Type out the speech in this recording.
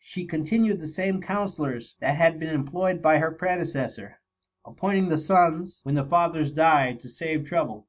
She continued the same counsellors that had been employed by her pre decessor, appointing the sons, when the fathers TRfi MUMtfT. 16 died, to save trouble.